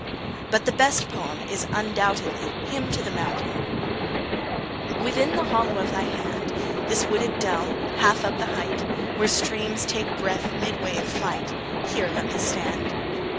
But the best poem is undoubtedly the Hymn to the Mountain: Within the hollow of thy hand This wooded dell half up the height, Where streams take breath midway in flight Here let me stand.